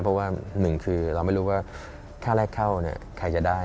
เพราะว่าหนึ่งคือเราไม่รู้ว่าค่าแรกเข้าใครจะได้